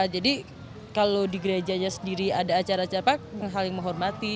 jadi kalau di gerejanya sendiri ada acara acara menghaling menghormati